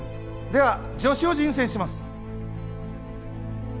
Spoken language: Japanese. では助手を人選します。